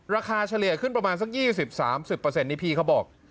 เฉลี่ยขึ้นประมาณสัก๒๐๓๐นี่พี่เขาบอก